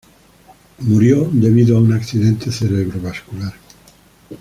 Murió debido a un accidente cerebrovascular.